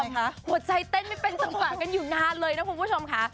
หัวใจเต้นไม่เป็นจังหวะกันอยู่นานเลยนะคุณผู้ชมค่ะ